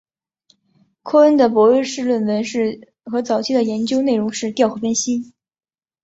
寇恩的博士论文和早期的研究内容是调和分析。